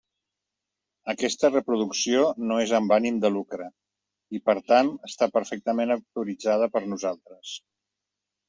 Aquesta reproducció no és amb ànim de lucre, i per tant, està perfectament autoritzada per nosaltres.